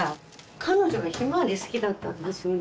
彼女がヒマワリ好きだったんですよね。